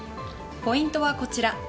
ポイントはこちら。